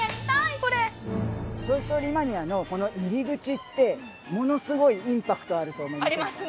これ「トイ・ストーリー・マニア！」のこの入り口ってものすごいインパクトあると思いませんか？